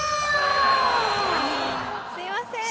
すいません！